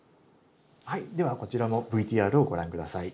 はいではこちらもＶＴＲをご覧下さい。